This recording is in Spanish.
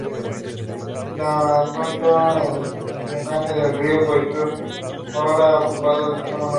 La cuenca de drenaje del río Pechora ocupaba el extremo norte.